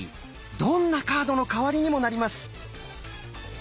どんなカードの代わりにもなります。